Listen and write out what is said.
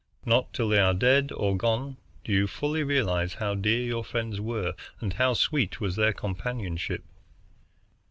Not till they are dead or gone do you fully realize how dear your friends were and how sweet was their companionship.